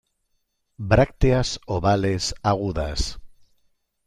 Brácteas ovales, agudas.